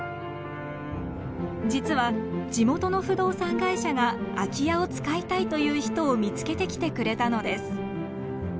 実は地元の不動産会社が空き家を使いたいという人を見つけてきてくれたのです。